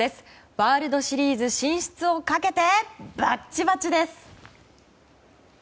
ワールドシリーズ進出をかけてバチバチです！